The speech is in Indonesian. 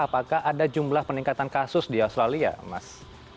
apakah ada jumlah peningkatan kasus di australia mas